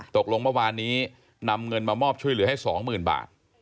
ตกลงเมื่อวานนี้นำเงินมามอบช่วยเหลือให้๒๐๐๐บาท